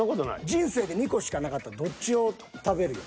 人生で２個しかなかったらどっちを食べるよ。